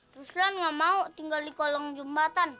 ruslan gak mau tinggal di kolong jembatan